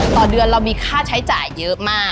ต่อเดือนเรามีค่าใช้จ่ายเยอะมาก